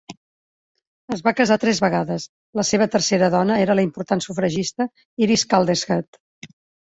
Es va casar tres vegades; la seva tercera dona era la important sufragista Iris Calderhead.